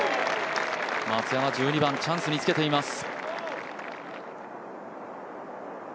松山、１２番、チャンスにつけています。